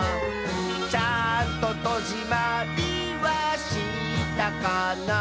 「ちゃんととじまりはしたかな」